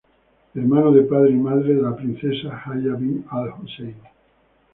Hermano de padre y madre de la princesa Haya Bint Al Husein.